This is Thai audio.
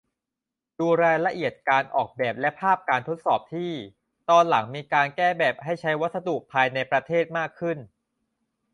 ดูรายละเอียดการออกแบบและภาพการทดสอบที่ ตอนหลังมีการแก้แบบให้ใช้วัสดุภายในประเทศมากขึ้น